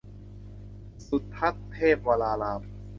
สุทัศนเทพวราราม